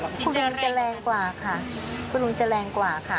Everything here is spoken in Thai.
คุณลุงจะแรงกว่าค่ะ